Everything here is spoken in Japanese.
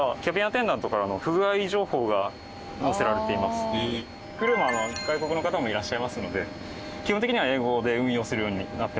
今これはクルーも外国の方もいらっしゃいますので基本的には英語で運用するようになっています。